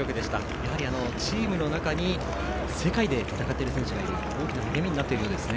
やはり、チームの中に世界で戦っている選手がいると大きな励みになっているようですね。